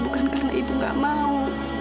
bukan karena ibu gak mau